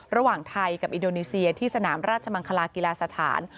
ระหว่างไทยกับอินโดนีเซียที่สนามราชมังคลากีฬาสถาน